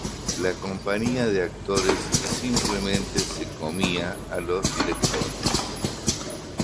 La compañía de actores simplemente se "comía" a los directores.